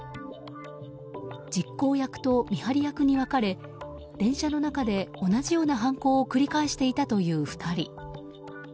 実行役と見張り役に分かれ電車の中で同じような犯行を繰り返していたという２人。